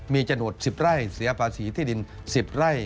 มีจำนวน๑๐ไร่เสียภาษีที่ดิน๑๐ไร่